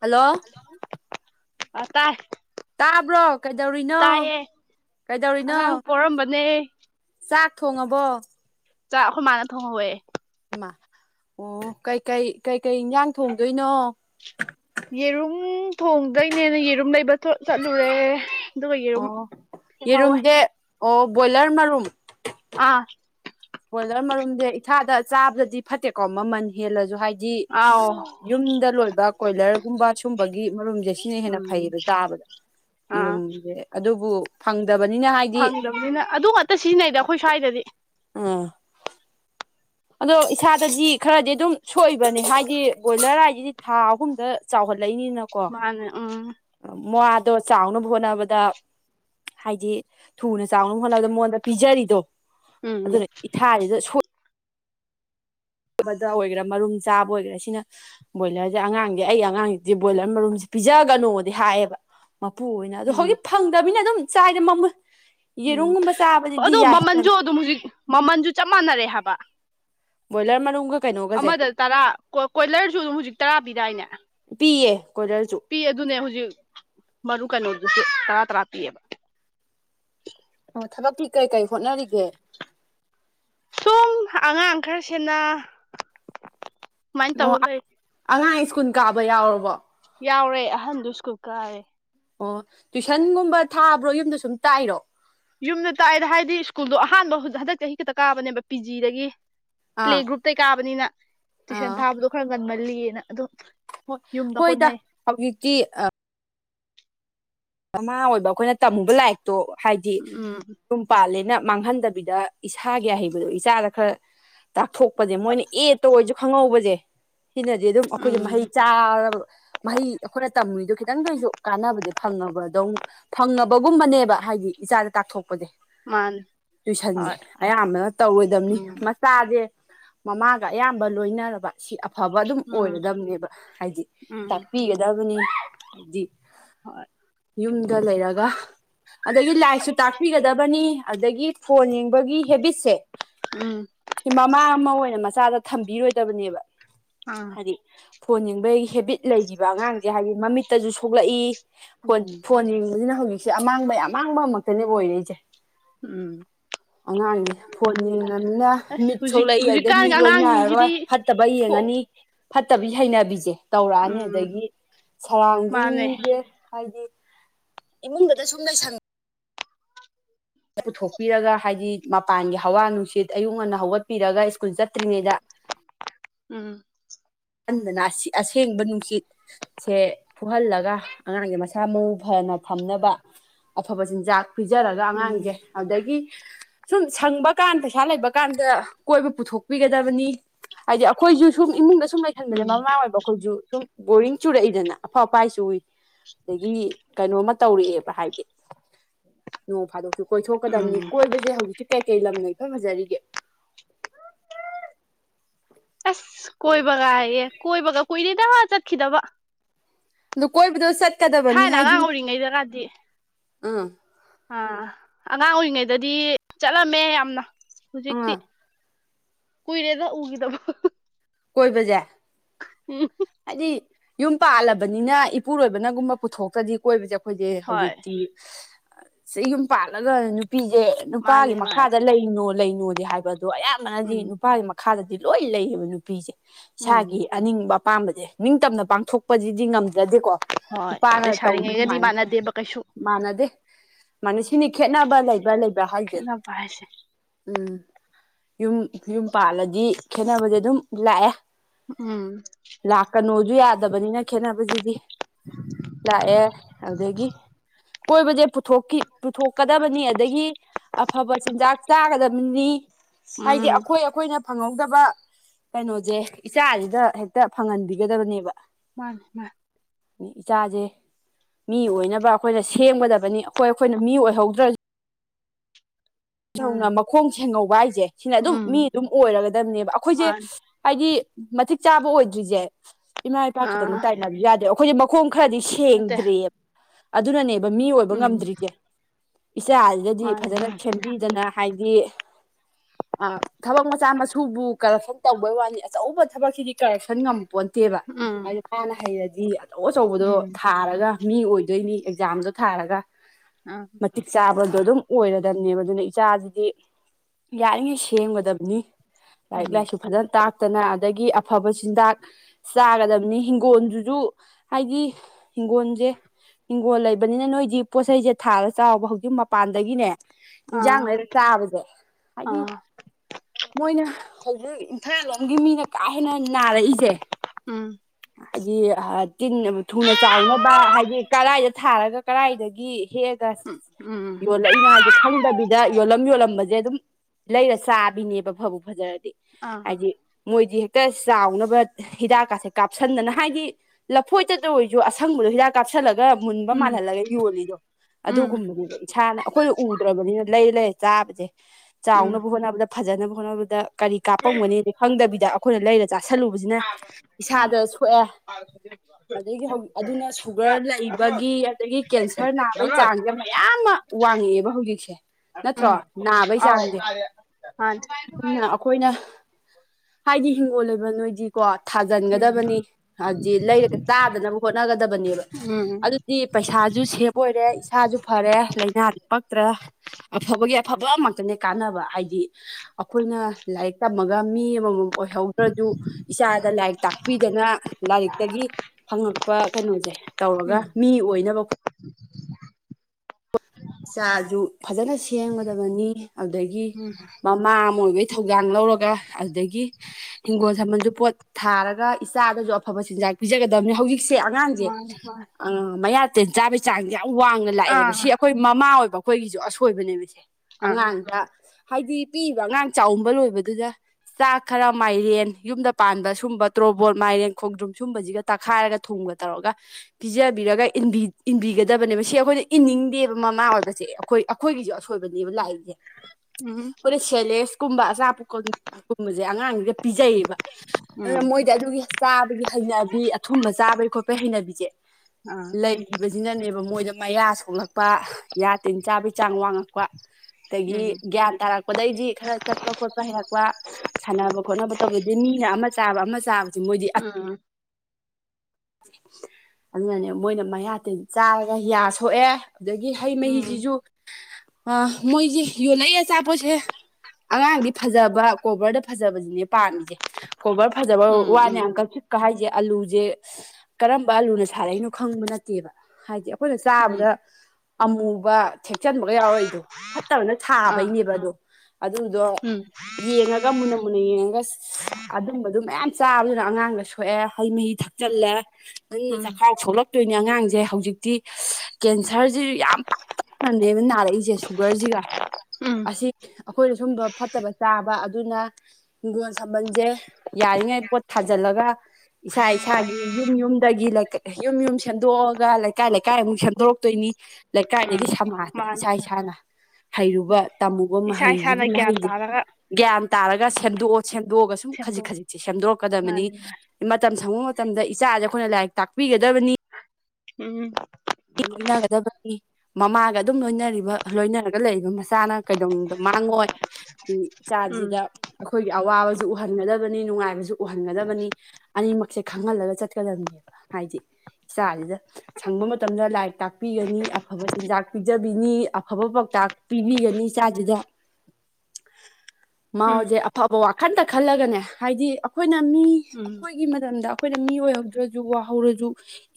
Hello ꯑ ꯇꯥꯏ ꯇꯥꯕ꯭ꯔꯣ ꯀꯩꯗꯧꯔꯤꯅꯣ ꯇꯥꯏꯌꯦ ꯀꯩꯗꯧꯔꯤꯅꯣ ꯑꯉꯥꯡ ꯄꯣꯔꯝꯕꯅꯦ ꯆꯥꯛ ꯊꯣꯡꯉꯕꯣ ꯆꯥꯛ ꯑꯩꯈꯣꯏ ꯃꯥꯅ ꯊꯣꯡꯍꯧꯋꯦ ꯏ ꯑꯣ ꯀꯩꯀꯩ ꯀꯩꯀꯩ ꯏꯟꯁꯥꯡ ꯊꯣꯡꯗꯣꯏꯅꯣ ꯌꯦꯔꯨꯝ ꯊꯣꯡꯗꯩꯅꯦꯅ ꯌꯦꯔꯨꯝ ꯂꯩꯕ ꯆꯠꯂꯨꯔꯦ ꯑꯗꯨꯒ ꯌꯦꯔꯨꯝ ꯑꯣ ꯁꯦꯝꯍꯧꯋꯦ ꯌꯦꯔꯨꯝꯖꯦ ꯑꯣ ꯕꯣꯏꯂꯔ ꯃꯔꯨꯝ ꯑꯥ ꯕ꯭ꯔꯣꯏꯂꯔ ꯃꯔꯨꯝꯗꯤ ꯏꯊꯥꯗ ꯆꯥꯕꯗꯗꯤ ꯐꯠꯇꯦꯀꯣ ꯃꯃꯜ ꯍꯦꯜꯂꯖꯨ ꯍꯥꯏꯗꯤ ꯑꯥꯎ ꯌꯨꯝꯗ ꯂꯣꯏꯕ ꯀꯣꯏꯂꯔꯒꯨꯝꯕ ꯁꯁꯨꯝꯕꯒꯤ ꯃꯔꯨꯝꯁꯦ ꯁꯤꯅ ꯍꯦꯟꯅ ꯎꯝ ꯐꯩꯌꯦꯕ ꯆꯥꯕꯗ ꯑꯥ ꯌꯦꯔꯨꯝꯁꯦ ꯑꯗꯨꯕꯨ ꯐꯪꯗꯕꯅꯤꯅ ꯍꯥꯏ ꯐꯪꯗꯕꯅꯤꯅ ꯑꯗꯨ ꯉꯇ ꯁꯤꯖꯤꯟꯅꯩꯗ ꯑꯩꯈꯣꯏ ꯁ꯭ꯋꯥꯏꯗꯗꯤ ꯑꯥ ꯑꯗꯣ ꯏꯁꯥꯗꯗꯤ ꯈꯔꯗꯤ ꯑꯗꯨꯝ ꯁꯣꯛꯏꯕꯅꯤ ꯍꯥꯏꯗꯤ ꯕꯣꯏꯂꯔ ꯍꯥꯏꯁꯤꯗꯤ ꯊꯥ ꯑꯍꯨꯝꯗ ꯆꯥꯎꯍꯜꯂꯛꯏꯅꯤꯅ ꯀꯣ ꯃꯥꯅꯦ ꯎꯝ ꯃꯗꯣ ꯆꯥꯎꯅꯕ ꯍꯣꯠꯅꯕꯗ ꯍꯥꯏꯗꯤ ꯊꯨꯅ ꯆꯥꯎꯅꯕ ꯍꯣꯠꯅꯕꯗ ꯃꯉꯣꯟꯗ ꯄꯤꯖꯔꯤꯗꯣ ꯎꯝ ꯑꯗꯨꯅ ꯏꯊꯥꯖꯤꯗ ꯁꯣꯛ ꯕꯗ ꯑꯣꯏꯒꯦꯔꯥ ꯃꯔꯨꯝ ꯆꯥꯕ ꯑꯣꯏꯒꯦꯔꯥ ꯁꯤꯅ ꯕꯣꯏꯂꯔꯁꯦ ꯑꯉꯥꯡꯗꯤ ꯑꯩ ꯑꯉꯥꯡꯖꯦ ꯕꯣꯏꯂꯔ ꯃꯔꯨꯝꯁꯦ ꯄꯤꯖꯒꯅꯣꯗꯤ ꯍꯥꯏꯌꯦꯕ ꯃꯄꯨ ꯑꯣꯏꯅ ꯑꯗꯣ ꯎꯝ ꯍꯧꯖꯤꯛ ꯐꯪꯗꯕꯅꯤꯅ ꯑꯗꯨꯝ ꯆꯥꯏꯗ ꯃꯃꯨ ꯎꯝ ꯑꯗꯨꯣ ꯃꯃꯜꯖꯨ ꯑꯗꯨꯝ ꯍꯧꯖꯤꯛ ꯃꯃꯜꯖꯨ ꯆꯞ ꯃꯥꯟꯅꯔꯦ ꯍꯥꯏꯕ ꯕꯣꯏꯂꯔ ꯃꯔꯨꯝꯒ ꯀꯩꯅꯣꯒꯁꯦ ꯑꯃꯗ ꯇꯔꯥ ꯀꯣꯏꯂꯔꯁꯨ ꯑꯗꯨꯝ ꯍꯧꯖꯤꯛ ꯇꯔꯥ ꯄꯤꯗꯥꯏꯅꯦ ꯄꯤꯌꯦ ꯀꯣꯏꯂꯔꯖꯨ ꯄꯤ ꯑꯗꯨꯅꯦ ꯍꯧꯖꯤꯛ ꯃꯔꯨ ꯀꯩꯅꯣꯗꯨꯁꯨ ꯇꯔꯥ ꯇꯔꯥ ꯄꯤꯌꯦꯕ ꯍꯣ ꯊꯕꯛꯛꯇꯤ ꯀꯩꯀꯩ ꯍꯣꯠꯅꯔꯤꯒꯦ ꯁꯣꯝ ꯑꯉꯥꯡ ꯈꯔꯁꯤꯅ ꯁꯨꯃꯥꯏꯅ ꯑꯣ ꯇꯧꯔ ꯂꯩ ꯑꯉꯥꯡ ꯁ꯭ꯀꯨꯜ ꯀꯥꯕ ꯌꯥꯎꯔꯕꯣ ꯌꯥꯎꯔꯦ ꯑꯍꯟꯗꯨ ꯁ꯭ꯀꯨꯜ ꯀꯥꯔꯦ ꯑꯣ ꯇꯨꯏꯁꯟꯒꯨꯝꯕ ꯊꯥꯕ꯭ꯔꯣ ꯌꯨꯝꯗ ꯁꯨꯝ ꯇꯥꯛꯏꯔꯣ ꯌꯨꯝꯗ ꯇꯥꯛꯑ‌ꯦꯗ ꯍꯥꯏꯗꯤ ꯁ꯭ꯀꯨꯜꯗꯣ ꯑꯍꯥꯟꯕ ꯍꯟꯗꯛꯇ ꯆꯍꯤ ꯈꯛꯇ ꯀꯥꯕꯅꯦꯕ ꯄꯤ ꯖꯤꯗꯒꯤ ꯄ꯭ꯂꯦ ꯑꯥ ꯒ꯭ꯔꯨꯞ ꯇꯩ ꯀꯥꯕꯅꯤꯅ ꯇꯨꯏꯁꯟ ꯑꯥ ꯊꯥꯕꯗꯣ ꯈꯔ ꯉꯟꯃꯜꯂꯤꯌꯦꯅ ꯑꯗꯨꯝ ꯍꯣꯏ ꯌꯨꯝꯗ ꯍꯣꯏꯗ ꯍꯣꯠꯅꯩ ꯍꯧꯖꯤꯛꯇꯤ ꯑꯥ ꯃꯃꯥ ꯑꯣꯏꯕ ꯑꯩꯈꯣꯏꯅ ꯇꯝꯃꯨꯕ ꯂꯥꯏꯔꯤꯛꯇꯣ ꯍꯥꯏꯗꯤ ꯎꯝ ꯗꯨꯝ ꯄꯥꯜꯂꯦꯅ ꯃꯥꯡꯍꯟꯗꯕꯤꯗ ꯏꯁꯥꯒꯤ ꯑꯍꯩꯕꯗꯣ ꯏꯆꯥꯗ ꯈꯔ ꯇꯥꯛꯊꯣꯛꯄꯁꯦ ꯃꯣꯏꯅ ꯑꯦꯗ ꯑꯣꯏꯁꯨ ꯈꯪꯍꯧꯕꯁꯦ ꯃꯤꯅꯗꯤ ꯑꯗꯨꯝ ꯑꯩꯈꯣꯏꯁꯦ ꯎꯝ ꯃꯍꯩ ꯆꯥꯔꯕ ꯃꯍꯩ ꯑꯩꯈꯣꯏꯅ ꯇꯝꯃꯤꯗꯣ ꯈꯤꯇꯪꯗꯁꯨ ꯀꯥꯟꯅꯕꯗꯤ ꯐꯪꯉꯕꯗꯧ ꯐꯪꯉꯕꯒꯨꯝꯕꯅꯦꯕ ꯍꯥꯏꯗꯤ ꯏꯆꯥꯗ ꯇꯥꯛꯊꯣꯛꯄꯖ‌ꯦ ꯃꯥꯅꯤ ꯇꯨꯏꯁꯟꯖ‌ꯦ ꯍꯣꯏ ꯑꯌꯥꯝꯕꯅ ꯇꯧꯔꯣꯏꯗꯝꯅꯤ ꯎꯝ ꯃ ꯆꯥꯖ‌ꯦ ꯃꯃꯥꯒ ꯑꯌꯥꯝꯕ ꯂꯣꯏꯅꯔꯕ ꯁꯤ ꯑꯐꯕ ꯑꯗꯨꯝ ꯎꯝ ꯑꯣꯏꯔꯗꯕꯅꯦꯕ ꯍꯥꯏꯗꯤ ꯎꯝ ꯇꯥꯛꯄꯤꯒꯗꯕꯅꯤ ꯗꯤ ꯍꯣꯏ ꯌꯨꯝꯗ ꯂꯩꯔꯒ ꯑꯗꯒꯤ ꯂꯥꯏꯛꯁꯨ ꯇꯥꯛꯄꯤꯒꯗꯕꯅꯤ ꯑꯗꯒꯤ ꯐꯣꯟ ꯌꯦꯡꯕꯒꯤ ꯍꯦꯕꯤꯠꯁꯦ ꯎꯝ ꯁꯤ ꯃꯃꯥ ꯑꯃ ꯑꯣꯏꯅ ꯃꯆꯥꯗ ꯊꯝꯕꯤꯔꯣꯏꯗꯕꯅꯦꯕ ꯑꯥ ꯍꯥꯏꯗꯤ ꯐꯣꯟ ꯌꯦꯡꯕꯩ ꯍꯦꯕꯤꯠ ꯂꯩꯈꯤꯕ ꯑꯉꯥꯡꯁꯦ ꯍꯥꯏꯗꯤ ꯃꯃꯤꯠꯇꯁꯨ ꯁꯣꯛꯂꯛꯏ ꯐꯣꯟ ꯎꯝ ꯐꯣꯟ ꯌꯦꯡꯕꯖꯤꯅ ꯍꯧꯖꯤꯛꯁꯦ ꯑꯃꯥꯡꯕꯩ ꯑꯃꯥꯡꯕ ꯃꯛꯇꯅꯦ ꯑꯣꯏꯔꯩꯖ‌ꯦ ꯎꯝ ꯑꯉꯥꯡꯗꯤ ꯐꯣꯟ ꯌꯦꯡꯉꯝꯅꯤꯅ ꯑꯁ ꯃꯤꯠ ꯍꯧꯖꯤꯛ ꯁꯣꯛꯂꯛꯏ ꯑꯗꯩ ꯃꯤ ꯍꯧꯖꯤꯛꯀꯥꯟꯒꯤ ꯑꯉꯥꯡꯁꯤꯡꯁꯤꯗꯤ ꯂꯣꯏꯅꯔꯔꯣꯏ ꯐꯠꯇꯕ ꯐꯣ ꯌꯦꯡꯉꯅꯤ ꯐꯠꯇꯕꯤ ꯍꯩꯅꯕꯤꯁꯦ ꯇꯧꯔꯛꯑꯅꯤ ꯎꯝ ꯑꯗꯒꯤ ꯃꯥꯅꯦ ꯁꯔꯥꯎꯟꯗꯤꯡꯖ‌ꯦ ꯍꯥꯏꯗꯤ ꯏꯃꯨꯡꯗꯗ ꯁꯨꯝ ꯂꯩꯁꯟ ꯄꯨꯊꯣꯛꯄꯤꯔꯒ ꯍꯥꯏꯗꯤ ꯃꯄꯥꯟꯒꯤ ꯍꯋꯥ ꯅꯨꯡꯁꯤꯠ ꯑꯌꯨꯛ ꯉꯟꯅ ꯍꯧꯒꯠꯄꯤꯔꯒ ꯁ꯭ꯀꯨꯜ ꯆꯠꯇ꯭ꯔꯤꯉꯩꯗ ꯎꯝ ꯍꯟꯗꯅ ꯑꯁꯤ ꯑꯁꯦꯡꯕ ꯅꯨꯡꯁꯤꯠ ꯁꯦ ꯐꯨꯍꯜꯂꯒ ꯑꯉꯥꯡꯁ‌ꯦ ꯃꯁꯥ ꯃꯎ ꯐꯅ ꯊꯝꯅꯕ ꯑꯐꯕ ꯆꯤꯟꯖꯥꯛ ꯄꯤꯖꯔꯒ ꯎꯝ ꯑꯉꯥꯡꯖ‌ꯦ ꯑꯗꯒꯤ ꯁꯨꯝ ꯁꯪꯕ ꯀꯥꯟ ꯄꯩꯁꯥ ꯂꯩꯕ ꯀꯥꯟꯗ ꯀꯣꯏꯕ ꯄꯨꯊꯣꯛꯄꯤꯒꯗꯕꯅꯤ ꯍꯥꯏꯗꯤ ꯑꯩꯈꯣꯏꯁꯨ ꯁꯨꯝ ꯏꯃꯨꯡꯗ ꯁꯨꯝ ꯍꯟꯕꯗ ꯎꯝ ꯃꯃꯥ‌ ꯑꯣꯏꯕ ꯑꯩꯈꯣꯏꯁꯨ ꯁꯨꯝ ꯕꯣꯔꯤꯡ ꯆꯨꯔꯛꯏꯗꯅ ꯑꯐꯛ ꯑꯐꯥꯏ ꯆꯨꯏ ꯑꯗꯒꯤ ꯀꯩꯅꯣꯝꯃ ꯇꯧꯔꯛꯑꯦꯕ ꯍꯥꯏꯕꯗꯤ ꯅꯣꯡ ꯐꯥꯗꯣꯛꯁꯨ ꯀꯣꯏꯊꯣꯛꯀꯗꯕꯅꯤ ꯎꯝ ꯀꯣꯏꯕ ꯖꯦ ꯍꯧꯖꯤꯛꯁꯦ ꯀꯩ ꯀꯩ ꯂꯝꯅ ꯏꯐ ꯐꯖꯔꯤꯒꯦ [inaudible] ꯑꯁ ꯀꯣꯏꯕꯒꯌꯦ ꯀꯣꯏꯕꯒ ꯀꯨꯏꯔꯦꯗ ꯆꯠꯈꯤꯗꯕ ꯑꯗꯨ ꯀꯣꯏꯕꯗꯣ ꯆꯠꯀꯗꯕꯅꯤ ꯊꯥꯏꯅ ꯍꯥꯏꯗꯤ ꯑꯉꯥꯡ ꯑꯣꯏꯔꯤꯉꯩꯗꯒꯗꯤ [inaudible] ꯑꯥ ꯑꯥ ꯑꯉꯥꯡ ꯑꯣꯏꯔꯤꯉꯩꯗꯗꯤ ꯆꯠꯂꯝꯃꯦ ꯌꯥꯝꯅ ꯍꯨꯖꯤꯛꯇꯤ ꯑꯥ ꯀꯨꯏꯔꯦꯗ ꯎꯈꯤꯗꯕ ꯀꯣꯏꯕꯖꯦ [unintelligible] ꯍꯥꯏꯗꯤ ꯌꯨꯝ ꯄꯥꯜꯂꯕꯅꯤꯅ ꯏꯄꯨꯔꯣꯏꯕꯅꯒꯨꯝꯕ ꯄꯨꯊꯣꯛꯇ꯭ꯔꯗꯤ ꯀꯣꯏꯕꯖ‌ꯦ ꯑꯩꯈꯣꯏꯖ‌ꯦ ꯍꯣꯏ ꯍꯧꯖꯤꯛꯇꯤ [unintelligible] ꯁꯤ ꯌꯨꯝ ꯄꯥꯜꯂꯒ ꯅꯨꯄꯤꯖ‌ꯦ ꯅꯨꯄꯥꯒꯤ ꯃꯥꯅꯦ ꯃꯥꯅꯦ ꯃꯈꯥꯗ ꯂꯩꯅꯣ ꯂꯩꯅꯣꯗꯤ ꯍꯥꯏꯕ ꯑꯗꯣ ꯎꯝ ꯑꯌꯥꯝꯕꯅꯗꯤ ꯅꯨꯄꯥꯒꯤ ꯃ ꯈꯥꯗꯗꯤ ꯂꯣꯏ ꯂꯩꯌꯦꯕ ꯅꯨꯄꯤꯁꯦ ꯎꯝ ꯏꯁꯥꯒꯤ ꯑꯅꯤꯡꯕ ꯑꯄꯥꯝꯕꯖ‌ꯦ ꯅꯤꯡꯇꯝꯅ ꯄꯥꯡꯊꯣꯛꯄꯖꯤꯗꯤ ꯉꯝꯖꯗꯦꯀꯣ ꯍꯣꯏ ꯅꯨꯄꯥꯅ ꯇꯧꯅꯤ ꯂꯩꯁꯥꯔꯤꯉꯩꯒꯗꯤ ꯁꯨꯃꯥꯏꯅ ꯃꯥꯟꯅꯗꯦꯕ ꯀꯩꯁꯨ ꯃꯥꯟꯅꯗꯦ ꯃꯥꯅꯤ ꯁꯤꯅꯤ ꯈꯦꯠꯅꯕ ꯂꯩꯕ ꯂꯩꯕ ꯍꯥꯏꯖ‌ꯦ ꯈꯦꯠꯅꯕ ꯍꯥꯏꯁꯦ ꯎꯝ ꯌꯨꯝ ꯌꯨꯝ ꯄꯥꯜꯂꯗꯤ ꯈꯦꯠꯅꯕꯖ‌ꯦ ꯑꯗꯨꯝ ꯂꯥꯛꯑꯦ ꯎꯝ꯫ ꯂꯥꯛꯀꯅꯣꯁꯨ ꯌꯥꯗꯕꯅꯤꯅ ꯈꯦꯠꯅꯕꯁꯤꯗꯤ ꯂꯥꯛꯑꯦ ꯑꯗꯨꯗꯒꯤ꯫ ꯀꯣꯏꯕꯖꯦ ꯄꯨꯊꯣꯛꯀꯤ ꯄꯨꯊꯣꯛꯀꯗꯕꯅꯤ ꯑꯗꯒꯤ ꯑꯐꯕ ꯆꯤꯟꯖꯥꯛ ꯆꯥꯒꯗꯕꯅꯤ ꯍꯥꯏꯗꯤ ꯎꯝ ꯑꯩꯈꯣꯏ ꯑꯩꯈꯣꯏꯅ ꯐꯪꯍꯧꯗꯕ ꯀꯩꯅꯣꯁꯦ ꯏꯆꯥꯁꯤꯗ ꯍꯦꯛꯇ ꯐꯪꯍꯟꯕꯤꯒꯗꯕꯅꯦꯕ꯫ ꯃꯥꯅꯤ ꯃꯥꯅꯤ꯫ ꯏꯆꯥꯁꯦ꯫ ꯃꯤ ꯑꯣꯏꯅꯕ ꯑꯩꯈꯣꯏꯅ ꯁꯦꯝꯒꯗꯕꯅꯤ ꯑꯩꯈꯣꯏ ꯑꯩꯈꯣꯏꯅ ꯃꯤ ꯑꯣꯏꯍꯧꯗ꯭ꯔꯁꯨ ꯎꯝ ꯍꯧꯅ ꯃꯈꯣꯡ ꯁꯦꯡꯍꯧꯕ ꯍꯥꯏꯁꯦ ꯁꯤꯅ ꯑꯗꯨꯝ ꯎꯝ ꯃꯤ ꯑꯗꯨꯝ ꯑꯣꯏꯔꯒꯗꯕꯅꯦꯕ ꯑꯩꯈꯣꯏꯁꯦ ꯃꯥꯅꯦ ꯍꯥꯏꯗꯤ ꯃꯇꯤꯛ ꯆꯥꯕ ꯑꯣꯏꯗ꯭ꯔꯤꯁꯦ ꯏꯃꯥ ꯏꯄꯥ ꯈꯛꯇꯪ ꯑꯥ ꯇꯥꯏꯅꯕ ꯌꯥꯗꯦꯕ ꯑꯩꯈꯣꯏꯁꯦ ꯃꯈꯣꯡ ꯈꯔꯗꯤ ꯅꯠꯇꯦ ꯁꯦꯡꯗ꯭ꯔꯦꯕ ꯑꯗꯨꯅꯅꯦꯕ ꯃꯤ ꯑꯣꯏꯕ ꯎꯝ ꯉꯝꯗ꯭ꯔꯤꯁꯦ ꯏꯆꯥ ꯁꯤꯗꯗꯤ ꯃꯥꯅꯦ ꯐꯖꯅ ꯃꯥꯅꯦ ꯈ ꯁꯦꯝꯕꯤꯗꯅ ꯍꯥꯏꯗꯤ꯫ ꯊꯕꯛ ꯃꯆꯥ ꯃꯁꯨꯕꯨ ꯀꯔꯞꯁꯟ ꯇꯧꯕꯩ ꯋꯥꯅꯤ ꯑꯆꯧꯕ ꯊꯕꯛꯁꯤꯗꯤ ꯀꯔꯞꯁꯟ ꯉꯝ ꯄꯣꯟꯇꯦꯕ ꯎꯝ ꯍꯥꯏꯗꯤ ꯃꯥꯥꯟꯅ ꯍꯩꯔꯗꯤ ꯑꯆꯧ ꯑꯆꯧꯕꯗꯣ ꯎꯝ ꯊꯥꯔꯒ꯫ ꯃꯤ ꯑꯣꯏꯗꯣꯏꯅꯤ ꯑꯦꯛꯖꯥꯝꯗꯣ ꯊꯥꯔꯒ꯫ ꯑ꯫ ꯃꯇꯤꯛ ꯆꯥꯕꯗꯣ ꯑꯗꯨꯝ ꯑꯣꯏꯔ ꯗꯝꯕꯅꯦꯕ ꯑꯗꯨꯅ ꯏꯆꯥꯁꯤꯗꯤ ꯌꯥꯔꯤꯉꯩ ꯁꯦꯝꯒꯗꯕꯅꯤ ꯂꯥꯏꯔꯤꯛ ꯎꯝ ꯂꯥꯏꯁꯨ ꯐꯖꯅ ꯇꯥꯛꯇꯅ ꯑꯗꯒꯤ ꯑꯐꯕ ꯆꯤꯟꯖꯥꯛ ꯆꯥꯒꯗꯕꯅꯤ ꯍꯤꯡꯒꯣꯜꯗꯨꯁꯨ ꯍꯥꯏꯗꯤ ꯍꯤꯡꯒꯣꯜꯁꯦ꯫ ꯍꯤꯡꯒꯣꯜ ꯂꯩꯕꯅꯤꯅ ꯅꯣꯏꯗꯤ ꯄꯣꯠꯆꯩꯁꯦ ꯊꯥꯔ ꯆꯥꯎꯕ ꯍꯧꯖꯤꯛ ꯃꯄꯥꯟꯗꯒꯤꯅꯦ꯫ ꯏꯟꯁꯥꯡ ꯑꯥ ꯂꯩꯔ ꯆꯥꯕꯁꯦ ꯍꯥꯏꯗꯤ꯫ ꯑꯥ ꯃꯣꯏꯅ ꯍꯧꯖꯤꯛ ꯏꯝꯐꯥꯜ ꯂꯣꯝꯒꯤ ꯃꯤꯅ ꯀꯥ ꯍꯦꯟꯅ ꯅꯥꯔꯛꯏꯁꯦ꯫ ꯎꯝ꯫ ꯍꯥꯏꯗꯤ ꯇꯤꯟ ꯊꯨꯅ ꯆꯥꯎꯅꯕ ꯍꯥꯏꯗꯤ ꯀꯔꯥꯏꯗ ꯊꯥꯔꯒ ꯀꯔꯥꯏꯗꯒꯤ ꯍꯦꯛ ꯒ ꯎꯝ ꯌꯣꯜꯂꯛꯏꯅꯣ ꯍꯥꯏꯗ ꯈꯪꯗꯕꯤꯗ ꯌꯣꯜꯂꯝ ꯌꯣꯜꯂꯝꯕꯁꯦ ꯑꯗꯨꯝ ꯂꯩꯔ ꯆꯥꯕꯤꯅꯦꯕ ꯐꯕꯨ ꯐꯖꯔꯗꯤ꯫ ꯑꯥ ꯍꯥꯏꯗꯤ ꯃꯣꯏꯗꯤ ꯍꯦꯛꯇ ꯆꯥꯎꯅꯕ ꯍꯤꯗꯥꯛꯀꯥꯁꯦ ꯀꯥꯞꯁꯟꯗꯅ ꯍꯥꯏꯗꯤ ꯂꯐꯣꯏꯇꯗꯧꯔꯤꯁꯨ ꯑꯁꯪꯕꯗꯣ ꯍꯤꯗꯥꯛ ꯀꯥꯞꯁꯤꯜꯂꯒ ꯃꯨꯟꯕ ꯎꯝ ꯎꯝ ꯃꯥꯜꯍꯜꯂꯒ ꯌꯣꯜꯂꯤꯗꯣ ꯎꯝ ꯑꯗꯨꯒꯨꯝꯕꯅꯤꯕ꯫ ꯏꯁꯥꯅ ꯑꯩꯈꯣꯏꯅ ꯎꯗ꯭ꯔꯕꯅꯤꯅ ꯂꯩ ꯂꯩꯔꯦ ꯆꯥꯕꯁꯦ ꯎꯝ ꯆꯥꯎꯅꯕ ꯍꯣꯠꯅꯕꯗ ꯐꯖꯅꯕ ꯍꯣꯠꯅꯕꯗ꯫ ꯀꯔꯤ ꯀꯥꯞꯄꯝꯒꯅꯤꯗꯤ ꯈꯪꯗꯕꯤꯗ ꯑꯩꯈꯣꯏꯅ ꯂꯩꯔ ꯆꯥꯥꯁꯜꯂꯨꯕꯁꯤꯅ ꯏꯁꯥꯗ ꯁꯣꯛꯑꯦ꯫ [inaudible] ꯑꯗꯒꯤ ꯍꯧꯖꯤꯛ ꯑꯗꯨꯅ ꯁꯨꯒꯔ ꯂꯩꯕꯒꯤ ꯑꯗꯒꯤ ꯀꯦꯟꯁꯔ ꯅꯥꯕꯒꯤ ꯆꯥꯡꯁꯦ ꯃꯌꯥꯝ ꯑꯃ꯫ ꯋꯥꯡꯉꯛꯑꯦꯕ ꯍꯧꯖꯤꯛꯁꯦ ꯅꯠꯇ꯭ꯔꯣ ꯎꯝ ꯅꯥꯕꯩ ꯑꯥꯎ ꯆꯥꯡꯗꯤ ꯃꯥꯅꯦ ꯑꯗꯨꯅ ꯑꯩꯈꯣꯏꯅ ꯍꯥꯏꯗꯤ ꯍꯤꯡꯒꯣꯜ ꯂꯩꯕ ꯅꯣꯏꯗꯤꯀꯣ ꯎꯝ ꯆꯟꯒꯗꯕꯅꯤ ꯍꯥꯏꯕꯗꯤ ꯂꯩꯔꯒ ꯇꯥꯗꯅꯕ ꯍꯣꯠꯅꯒꯗꯕꯅꯦꯕ ꯎꯝ ꯑꯗꯨ ꯗꯤ ꯄꯩꯁꯥꯁꯨ ꯁꯦꯞ ꯑꯣꯏꯔꯦ ꯏꯁꯥꯁꯨ ꯐꯔꯦ ꯂꯥꯏꯅꯥꯁꯨ ꯄꯛꯇ꯭ꯔꯦ꯫ ꯑꯐꯕꯒꯤ ꯑꯐꯕꯃꯛꯇꯅꯦ ꯀꯥꯟꯅꯕ ꯍꯥꯏꯗꯤ ꯑꯩꯈꯣꯏꯅ ꯂꯥꯏꯔꯤꯛ ꯇꯝꯃꯒ ꯃꯤ ꯑꯃꯃꯝ ꯑꯣꯏꯍꯧꯗ꯭ꯔꯁꯨ ꯏꯆꯥꯗ ꯂꯥꯏꯔꯤꯛ ꯇꯥꯛꯄꯤꯗꯅ ꯂꯥꯏꯔꯤꯛꯇꯒꯤ ꯐꯪꯉꯛꯄ ꯀꯩꯅꯣꯁꯦ ꯇꯧꯔꯒ ꯎꯝ ꯃꯤ ꯑꯣꯏꯅꯕ ꯏꯆꯥꯁꯨ ꯐꯖꯅ ꯁꯦꯝꯒꯗꯕꯅꯤ ꯑꯗꯨꯗꯒꯤ ꯎꯝ ꯃꯥ ꯑꯃ ꯑꯣꯏꯕꯩ ꯊꯧꯗꯥꯡ ꯂꯧꯔꯒ ꯑꯗꯨꯗꯒꯤ ꯍꯤꯡꯒꯣꯜ ꯁꯥꯝꯕꯜꯁꯨ ꯄꯣꯠ ꯊꯥꯔꯒ ꯏꯆꯥꯗꯁꯨ ꯑꯐꯕ ꯆꯤꯟꯖꯥꯛ ꯄꯤꯖꯒꯗꯕꯅꯤ ꯍꯧꯖꯤꯛ ꯁꯦ ꯑꯉꯥꯡꯁꯦ ꯃꯥꯅꯤ ꯃꯥꯅꯤ ꯃꯌꯥ ꯇꯦꯟ ꯆꯥꯕꯒꯤ ꯆꯥꯡꯁꯦ ꯌꯥꯝ ꯋꯥꯡꯅ ꯂꯥꯛꯑꯦꯕ ꯁꯤ ꯑꯥ ꯑꯩꯈꯣꯏ ꯃꯃꯥ ꯑꯣꯏꯕ ꯑꯩꯈꯣꯏꯒꯤꯁꯨ ꯑꯁꯣꯏꯕꯅꯦꯕꯁꯦ ꯑꯥ ꯑꯉꯥꯡꯗ ꯍꯥꯏꯗꯤ ꯄꯤꯕ ꯑꯉꯥꯡ ꯆꯥꯎꯕ ꯂꯣꯏꯕꯗꯨꯗ ꯆꯥꯛ ꯈꯔ ꯃꯥꯏꯔꯦꯟ ꯌꯨꯝꯗ ꯄꯥꯟꯕ ꯁꯨꯝꯕ ꯇ꯭ꯔꯣꯕꯣꯜ ꯃꯥꯏꯔꯦꯟ ꯈꯣꯡꯗ꯭ꯔꯨꯝ ꯁꯨꯝꯕꯁꯤꯒ ꯇꯛꯈꯥꯏꯔꯒ ꯊꯨꯝꯒ ꯇꯧꯔꯒ ꯄꯤꯖꯕꯤꯔꯒ ꯏꯟꯕꯤꯒꯗꯕꯅꯦꯕ ꯁꯤ ꯑꯩꯈꯣꯏꯗ ꯏꯟꯅꯤꯡꯗꯦ ꯃꯃꯥ ꯑꯣꯏꯕꯁꯦ ꯑꯩꯈꯣꯏ ꯑꯩꯈꯣꯏꯒꯤꯁꯨ ꯑꯁꯣꯏꯕꯅꯦꯕ ꯂꯥꯛꯏꯁꯦ꯫ ꯎꯝ꯫ ꯑꯩꯈꯣꯏꯅ ꯁꯦꯂꯦꯁꯀꯨꯝꯕ ꯑꯆꯥꯄꯀꯣꯜꯒꯨꯝꯕꯁꯦ ꯑꯉꯥꯡꯁꯦ ꯄꯤꯖꯩꯌꯦꯕ ꯎꯝ ꯑꯗꯨꯅ ꯃꯣꯏ꯫ ꯑꯗꯨꯒꯤ ꯆꯥꯕꯒꯤ ꯍꯩꯅꯕꯤ ꯑꯊꯨꯝꯕ ꯆꯥꯕꯒꯩ ꯈꯣꯠꯄꯒꯤ ꯍꯩꯅꯕꯤꯁꯦ꯫ ꯑꯥ꯫ ꯂꯩꯒꯤꯕꯁꯤꯅꯅꯦꯕ ꯃꯣꯏꯗ ꯃꯌꯥ ꯁꯣꯛꯂꯛꯄ ꯌꯥ ꯇꯤꯟ ꯆꯥꯕꯒꯤ ꯆꯥꯡ ꯋꯥꯡꯉꯛꯄ꯫ ꯑꯗꯒꯤ ꯎꯝ ꯒ꯭ꯌꯥꯟ ꯇꯥꯔꯛꯄꯗꯩꯗꯤ ꯈꯔ ꯆꯠꯄ ꯈꯣꯠꯄ ꯍꯩꯔꯛꯄ꯫ ꯋꯥ ꯁꯥꯟꯅꯕ ꯈꯣꯠꯅꯕ ꯇꯧꯕꯗꯤ ꯃꯤꯅ ꯑꯃ ꯆꯥꯕ ꯑꯃ ꯆꯥꯕꯁꯤ ꯃꯣꯏꯗꯤ꯫ [inaudible] ꯑꯗꯨꯅꯅꯦ ꯃꯣꯏꯅ ꯃꯌꯥ ꯇꯤꯟ ꯆꯥꯔꯒ ꯌꯥ ꯁꯣꯛꯑꯦ꯫ ꯑꯗꯒꯤ ꯍꯩ ꯎꯝ ꯃꯍꯤꯁꯤꯁꯨ ꯑ ꯃꯣꯏꯁꯦ ꯌꯣꯜꯂꯛꯏ ꯑꯆꯥꯄꯣꯠꯁꯦ꯫ ꯑꯉꯥꯡꯗꯤ ꯐꯖꯕ ꯀꯣꯕꯔꯗ ꯐꯖꯕꯁꯤꯅꯦ ꯄꯥꯝꯃꯤꯁꯦ꯫ ꯀꯣꯕꯔ ꯐꯖꯕ ꯎꯝ ꯎꯝ ꯋꯥꯅꯦ ꯎꯝ ꯑꯪꯀꯜ ꯁꯤꯛꯀ ꯍꯥꯏꯁꯦ ꯑꯂꯨꯁꯦ꯫ ꯀꯔꯝꯕ ꯑꯂꯨꯅ ꯁꯥꯔꯛꯏꯅꯣ ꯈꯪꯕ ꯅꯠꯇꯦꯕ ꯍꯥꯏꯕꯗꯤ ꯑꯩꯈꯣꯏꯅ ꯎꯝ ꯆꯥꯕꯗ꯫ ꯑꯃꯨꯕ ꯊꯦꯛꯆꯟꯕꯒ ꯌꯥꯎꯔꯛꯏꯗꯣ ꯐꯠꯇꯕꯅ ꯑꯥ ꯁꯥꯕꯩꯅꯦꯕ ꯑꯗꯨ ꯑꯗꯨꯗꯣ꯫ ꯎꯝ꯫ ꯌꯦꯡꯉꯒ ꯃꯨꯟꯅ ꯃꯨꯟꯅ ꯌꯦꯡꯉꯒ ꯑꯗꯨꯝꯕꯗꯨ ꯃꯌꯥꯝ ꯆꯥꯕꯗꯨꯅ ꯑꯉꯥꯡꯗ ꯁꯣꯛꯑꯦ ꯍꯩ ꯃꯍꯤ꯫ ꯎꯝ ꯊꯛꯆꯜꯂꯦ ꯑꯗꯩ ꯎꯝ ꯆꯈꯥꯎ ꯁꯣꯛꯂꯛꯇꯣꯏꯅꯦ ꯑꯉꯥꯡꯁꯦ ꯍꯧꯖꯤꯛꯇꯤ ꯀꯦꯟꯁꯔ꯫ ꯀꯦꯟꯁꯔꯁꯤ ꯌꯥꯝ ꯄꯥꯛꯇꯅꯅꯦꯕ ꯅꯥꯔꯛꯏꯁꯦ ꯁꯨꯒꯔꯁꯤꯒ꯫ ꯎꯝ ꯑꯁꯤ ꯑꯩꯈꯣꯏꯅ ꯁꯨꯝꯕ ꯐꯠꯇꯕ ꯆꯥꯕ ꯑꯗꯨꯅ꯫ ꯍꯤꯡꯒꯣꯜ ꯁꯥꯝꯕꯜꯁꯦ ꯌꯥꯔꯤꯉꯩ ꯄꯣꯠ ꯊꯥꯖꯤꯜꯂꯒ꯫ ꯏꯁꯥ ꯏꯁꯥꯒꯤ ꯌꯨꯝ ꯌꯨꯝꯗꯒꯤ ꯌꯨꯝ ꯌꯨꯝ ꯁꯦꯝꯗꯣꯛꯑꯒ ꯂꯩꯀꯥꯏ ꯂꯩꯀꯥꯏ ꯑꯃꯨꯛ ꯁꯦꯝꯗꯣꯔꯣ꯫ ꯆꯠꯇꯣꯏꯅꯤ ꯎꯝ ꯂꯩꯀꯥꯏꯗꯒꯤ ꯁꯃꯥꯖꯁꯦ ꯃꯥꯅꯤ ꯏꯁꯥ ꯏꯁꯥꯅ ꯍꯩꯔꯨꯕ꯫ ꯃꯥꯅꯤ ꯇꯝꯃꯨꯕ ꯏꯁꯥ ꯏꯁꯥꯅ ꯃꯍꯩꯁꯤꯒꯤ ꯒ꯭ꯌꯥꯟ ꯃꯍꯩꯁꯦ꯫ ꯇꯥꯔꯒ ꯒ꯭ꯌꯥꯟ ꯇꯥꯔꯒ ꯁꯦꯝꯗꯣꯛꯑꯣ ꯁꯦꯝꯗꯣꯛꯑꯒ ꯁꯨꯝ ꯈꯖꯤꯛ ꯁꯦꯝꯗꯣꯛ ꯈꯖꯤꯛꯁꯦ ꯁꯦꯝꯗꯣꯔꯛꯀꯗꯕꯅꯤ꯫ ꯃꯥꯅꯤ ꯃꯥꯅꯤ ꯃꯇꯝ ꯁꯪꯕ ꯃꯇꯝꯗ ꯏꯆꯥꯁꯦ ꯑꯩꯈꯣꯏꯅ ꯂꯥꯏꯔꯤꯛ ꯇꯥꯛꯄꯤꯒꯗꯕꯅꯤ꯫ ꯎꯝ꯫ ꯂꯣꯏꯅꯒꯗꯕꯅꯤ꯫ ꯃꯃꯥꯒ ꯑꯗꯨꯝ ꯂꯣꯏꯅꯔꯤꯕ ꯂꯣꯏꯅꯔꯒ ꯂꯩꯔꯤꯕ ꯃꯆꯥꯅ ꯀꯩꯗꯧꯅꯨꯡꯗ ꯃꯥꯡꯉꯣꯏ꯫ ꯎꯝ ꯏꯆꯥꯁꯤꯗ ꯑꯩꯈꯣꯏꯒꯤ ꯑꯋꯥꯕꯁꯨ ꯎꯍꯟꯒꯗꯕꯅꯤ ꯅꯨꯡꯉꯥꯏꯕꯁꯨ ꯎꯍꯟꯒꯗꯕꯅꯤ꯫ ꯑꯅꯤꯃꯛꯁꯦ ꯈꯪꯍꯜꯂꯒ ꯆꯠꯀꯂꯝꯅꯦꯕ ꯍꯥꯏꯗꯤ ꯏꯆꯥꯁꯤꯗ ꯁꯪꯕ ꯃꯇꯝ꯫ ꯃꯇꯝꯅ ꯂꯥꯏꯔꯤꯛ ꯇꯥꯛꯄꯤꯒꯅꯤ ꯑꯐꯕ ꯆꯤꯟꯖꯥꯛ ꯄꯤꯖꯕꯤꯅꯤ ꯑꯐꯕ ꯄꯥꯎꯇꯥꯛ ꯄꯤꯕꯤꯒꯅꯤ ꯏꯆꯥꯁꯤꯗ꯫ [inaudible] ꯎꯝ ꯃꯥꯎꯁꯦ ꯑꯐꯕ ꯋꯥꯈꯟꯇ ꯈꯜꯂꯒꯅꯦ ꯍꯥꯏꯗꯤ ꯑꯩꯈꯣꯏꯅ ꯃꯤ꯫ ꯎꯝ ꯑꯩꯈꯣꯏꯒꯤ ꯃꯇꯝꯗ ꯑꯩꯈꯣꯏꯅ ꯃꯤ ꯑꯣꯏꯍꯧꯗ꯭ꯔꯁꯨ ꯋꯥꯍꯧꯔꯁꯨ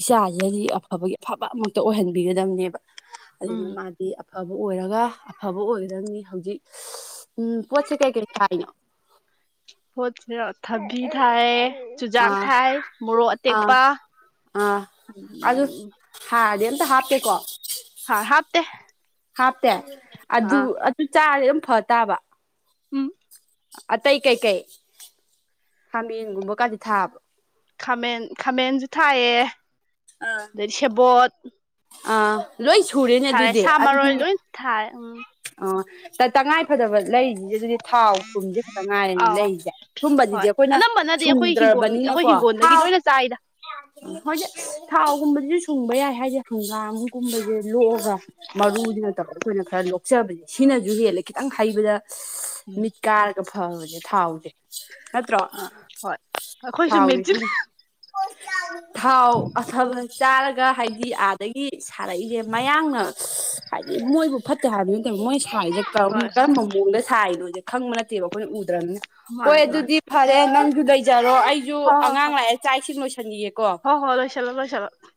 ꯏꯆꯥꯁꯤꯗꯗꯤ ꯑꯐꯕꯒꯤ꯫ ꯑꯐꯕ ꯑꯃꯛꯇ ꯑꯣꯏꯍꯟꯕꯤꯒꯗꯕꯅꯦꯕ꯫ ꯎꯝ ꯑꯗꯨꯅ ꯃꯥꯗꯤ ꯑꯐꯕ ꯑꯣꯏꯔꯒ ꯑꯐꯕ ꯑꯣꯏꯒꯗꯕꯅꯤ ꯍꯧꯖꯤꯛ꯫ ꯎꯝ ꯄꯣꯠꯁꯦ ꯀꯥꯏ ꯀꯥꯢ ꯊꯥꯏꯅꯣ꯫ ꯄꯣꯠꯁꯤꯔꯣ ꯊꯕꯤ ꯊꯥꯏ꯫ ꯆꯨꯖꯥꯛ ꯑꯥ ꯊꯥꯏ ꯃꯣꯔꯣꯛ ꯑꯥ ꯑꯇꯦꯛꯄ꯫ ꯑꯥ ꯑꯗꯨ ꯍꯥꯔꯗꯤ ꯑꯝꯇ ꯍꯥꯞꯇꯦꯀꯣ꯫ ꯍꯥꯔ ꯍꯥꯞꯇꯦ꯫ ꯍꯥꯞꯇꯦ ꯑꯗꯨ ꯑꯥ ꯑꯗꯨ ꯆꯥꯔꯗꯤ ꯑꯗꯨꯝ ꯐ ꯇꯥꯕ꯫ ꯎꯝ꯫ ꯑꯇꯩ ꯀꯩꯀꯩ ꯈꯥꯃꯦꯟꯒꯨꯝꯕ ꯀꯗꯤ ꯊꯥꯕꯔꯣ꯫ ꯈꯥꯃꯦꯟ ꯈꯥꯃꯦꯟꯁꯨ ꯊꯥꯏꯌꯦ꯫ ꯑꯥ꯫ ꯑꯗꯩ ꯁꯦꯕꯣꯠ꯫ ꯑꯥ ꯂꯣꯏ ꯁꯨꯔꯦꯅꯦ ꯊꯥꯔꯦ ꯑꯗꯨꯗꯤ ꯁꯥ ꯑꯗꯨꯗꯤ꯫ ꯃꯔꯣꯏ ꯂꯣꯏ ꯊꯥꯔꯦ ꯎꯝ ꯑꯣ ꯇꯉꯥꯏ ꯐꯗꯕ ꯂꯩꯔꯤꯁꯦ ꯑꯗꯨꯗꯤ꯫ ꯊꯥꯎ ꯊꯨꯝꯁꯦ ꯈꯛꯇ ꯉꯥꯏꯔꯦꯅ ꯑꯥꯎ ꯂꯩꯔꯤꯁꯦ ꯁꯨꯝꯕꯕꯁꯤꯗꯤ ꯍꯣꯏ ꯑꯩꯈꯣꯏꯅ ꯁꯨꯡꯗ꯭ꯔꯕꯅꯤꯅꯀꯣ꯫ ꯗꯒꯤ ꯂꯣꯏꯅ ꯆꯥꯏꯗ ꯍꯣꯏꯗꯤ ꯊꯥꯎꯒꯨꯝꯕꯗꯨꯁꯨ ꯁꯨꯡꯕ ꯌꯥꯏ ꯍꯥꯏꯖꯦ ꯍꯪꯒꯥꯝ ꯀꯨꯝꯕꯖꯦ ꯂꯣꯛꯑꯒ ꯃꯔꯨꯖꯤꯅ [unintelligible] ꯑꯩꯈꯣꯏꯅ ꯈꯔ ꯂꯣꯛꯆꯕꯖꯤꯅ ꯁꯤꯅꯖꯨ ꯍꯦꯟꯂꯦ ꯈꯤꯇꯪ ꯍꯩꯕꯗ ꯎꯝ ꯃꯤꯠ ꯀꯥꯔꯒ ꯐꯕꯅꯦ ꯊꯥꯎꯖꯦ ꯅꯠꯇ꯭ꯔꯣ ꯑꯥ ꯍꯣꯏ ꯑꯩꯈꯣꯏꯁꯨ ꯊꯥꯎ ꯃꯦꯟꯁꯤꯜ [unintelligible] ꯊꯥꯎ ꯑꯐꯕ ꯆꯥꯔꯒ ꯍꯥꯏꯗꯤ ꯑ ꯑꯗꯩꯗꯤ ꯁꯥꯔꯛꯏꯖꯦ ꯃꯌꯥꯡꯅ ꯍꯥꯏꯗꯤ ꯃꯣꯏꯕꯨ ꯐꯠꯇꯦ ꯍꯥꯏꯕꯗꯤ ꯅꯠꯇ [unintelligible] ꯃꯣꯏꯅ ꯁꯥꯔꯤꯖꯦ ꯀꯔꯝ ꯍꯣꯏ ꯍꯣꯏ ꯀꯔꯝꯕ ꯃꯑꯣꯡꯗ ꯁꯥꯏꯅꯣꯖꯦ ꯈꯪꯕ ꯅꯠꯇꯦꯕ ꯑꯩꯈꯣꯏꯅ ꯎꯗ꯭ꯔꯕꯅꯤꯅ ꯍꯣꯏ ꯃꯥꯅꯦ ꯃꯥꯅꯦ ꯑꯗꯨꯗꯤ ꯐꯔꯦ ꯅꯪꯖꯨ ꯂꯩꯖꯔꯣ ꯑꯩꯖꯨ ꯍꯣꯏ ꯍꯣꯏ ꯑꯉꯥꯡ ꯍꯣꯏ ꯂꯥꯛꯑꯦ ꯆꯥꯛ ꯏꯁꯤꯡ ꯂꯣꯏꯁꯟꯒꯤꯒꯦꯀꯣ [unintelligible]